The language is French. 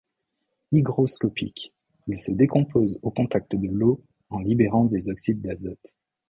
Hygroscopique, il se décompose au contact de l'eau en libérant des oxydes d'azote.